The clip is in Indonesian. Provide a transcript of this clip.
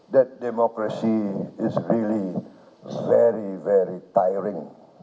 demokrasi itu sangat sangat memalukan